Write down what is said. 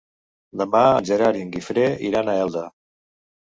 Demà en Gerard i en Guifré iran a Elda.